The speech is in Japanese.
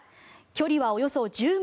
距離はおよそ１０ｍ。